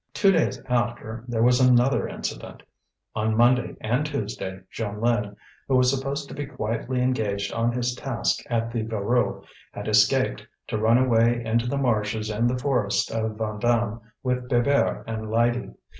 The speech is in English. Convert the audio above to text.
Two days after there was another incident. On Monday and Tuesday Jeanlin, who was supposed to be quietly engaged on his task at the Voreux, had escaped, to run away into the marshes and the forest of Vandame with Bébert and Lydie.